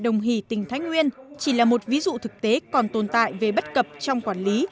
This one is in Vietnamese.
đồng hỷ tỉnh thái nguyên chỉ là một ví dụ thực tế còn tồn tại về bất cập trong quản lý